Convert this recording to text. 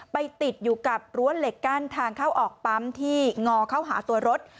ไปติดอยู่กับรั้วเหล็กกั้นทางเข้าออกปั๊มที่งอเข้าหาตัวรถ